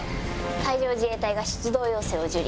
海上自衛隊が出動要請を受理。